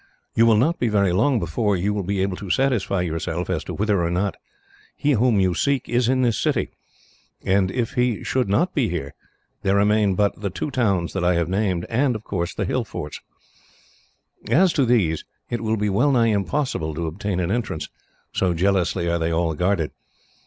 You will not be very long before you will be able to satisfy yourself as to whether or not he whom you seek is in this city; and if he should not be here, there remain but the two towns that I have named, and the hill forts. As to these, it will be well nigh impossible to obtain an entrance, so jealously are they all guarded.